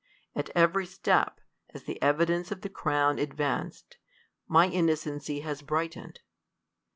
At every step, as the evi dence of the crown advanced, my innocency has bright ened.